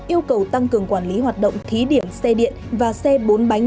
yêu cầu tăng cường quản lý hoạt động thí điểm xe điện và xe bốn bánh